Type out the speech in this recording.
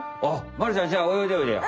まるちゃんじゃあおよいでおいでよ。